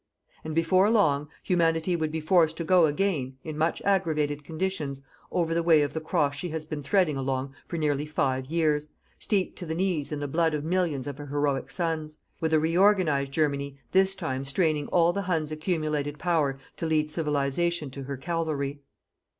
And before long Humanity would be forced to go again, in much aggravated conditions, over the way of the cross she has been threading along for nearly five years, steeped to the knees in the blood of millions of her heroic sons, with a reorganized Germany this time straining all the Huns' accumulated power to lead Civilization to her Calvary.